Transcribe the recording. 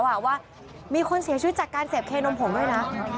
ว่ามีคนเสียชีวิตจากการเสพเคนมผงด้วยนะ